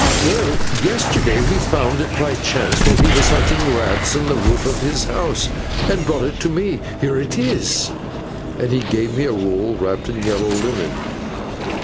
Well, yesterday he found it by chance while he was hunting rats in the roof of his house, and brought it to me. Here it is," and he gave me a roll wrapped in yellow linen.